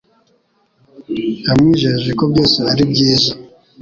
Yamwijeje ko byose ari byiza.